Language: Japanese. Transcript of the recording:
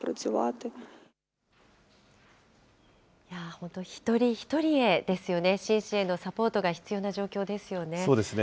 本当、一人一人へですよね、心身へのサポートが必要な状況ですよね。